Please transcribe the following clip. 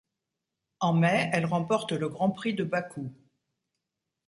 En mai, elle remporte le Grand Prix de Bakou.